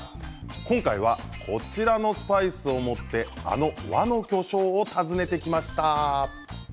今回はこちらのスパイスを持ってあの和の巨匠を訪ねてきました。